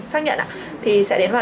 thì anh ấn đồng ý ạ